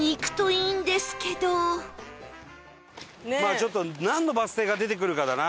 まあちょっとなんのバス停が出てくるかだな。